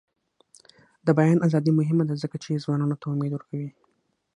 د بیان ازادي مهمه ده ځکه چې ځوانانو ته امید ورکوي.